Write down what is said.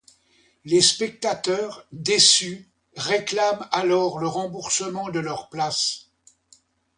Les spectateurs, déçus, réclament alors le remboursement de leurs places.